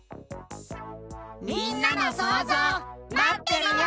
みんなのそうぞうまってるよ。